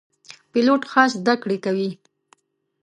پیلوټ خاص زده کړې کوي.